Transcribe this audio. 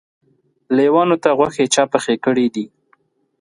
لېوانو ته غوښې چا پخې کړي دي؟